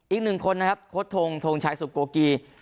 อีกหนึ่งคนนะครับโค้ดทงทงชัยสุโกกี